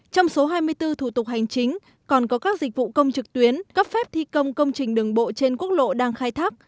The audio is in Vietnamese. trong số hai mươi bốn thủ tục hành chính còn có các dịch vụ công trực tuyến cấp phép thi công công trình đường bộ trên quốc lộ đang khai thác